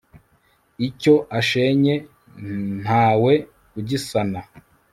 icyo ashenye, nta we ugisana